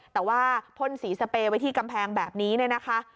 แต่ว่าพ่นสีสเปรย์ไว้ที่กำแพงแบบนี้เนี่ยนะคะ